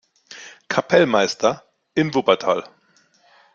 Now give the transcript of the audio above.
Kapellmeister in Wuppertal.